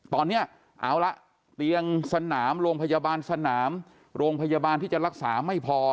ตอนนี้เอาละเตียงสนามโรงพยาบาลสนามโรงพยาบาลที่จะรักษาไม่พอ